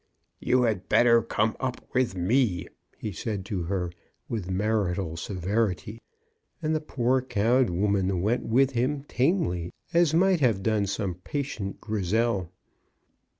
*' You had better come up with me," he said to her, with marital severity ; and the poor cowed woman went with him tamely as might have done some patient Grizel.